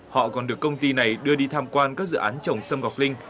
họ còn được công ty này đưa đi tham quan các dự án trồng sâm ngọc linh